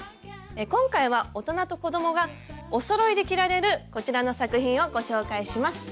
今回は大人と子どもがおそろいで着られるこちらの作品をご紹介します。